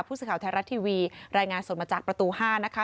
พูดสุขข่าวไทยรัตน์ทีวีรายงานส่วนมาจากประตูห้านะคะ